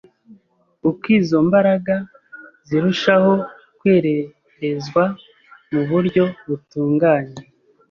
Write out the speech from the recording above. uko izo mbaraga zirushaho kwererezwa mu buryo butunganye